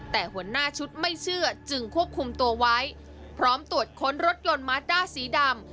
แต่หัวหน้าชุดไม่เชื่อจึงควบคุมตัวไว้พร้อมตรวจค้นรถยนต์มาร์ดด้าสีดำ